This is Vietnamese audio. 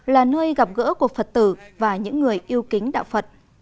là nơi gặp gỡ của phật tử và những người yêu kính đạo phật